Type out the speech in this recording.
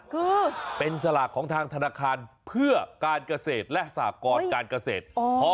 คือเป็นสลากของทางธนาคารเพื่อการเกษตรและสหกรการเกษตร